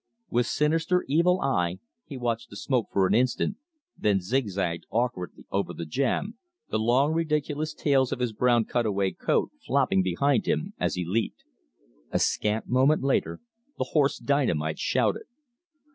With sinister, evil eye he watched the smoke for an instant, then zigzagged awkwardly over the jam, the long, ridiculous tails of his brown cutaway coat flopping behind him as he leaped. A scant moment later the hoarse dynamite shouted.